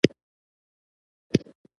زه د زړه د روغتیا لپاره تازه میوه خورم.